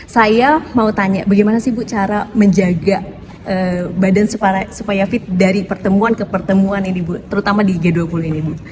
saya mau tanya bagaimana sih bu cara menjaga badan supaya fit dari pertemuan ke pertemuan ini bu terutama di g dua puluh ini bu